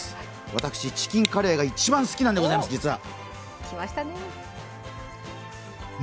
私、チキンカレーが一番好きなんでございます、実は。